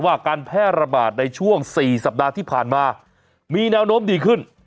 การแพร่ระบาดในช่วง๔สัปดาห์ที่ผ่านมามีแนวโน้มดีขึ้น